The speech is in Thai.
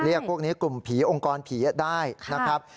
พวกนี้กลุ่มผีองค์กรผีได้นะครับ